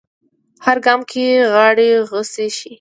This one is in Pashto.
هر ګام کې غاړې غوڅې شي